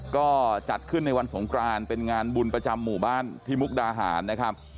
ก็จัดขึ้นในวันสงครานเป็นงานบุญประจำหมู่บ้านที่มุกดาหารนะครับ